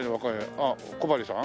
あっ小針さん？